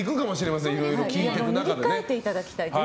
ぜひ塗り替えていただきたい。